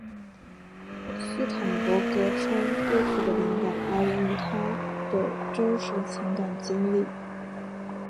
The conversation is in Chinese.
斯坦伯格称歌曲的灵感来源于他的真实情感经历。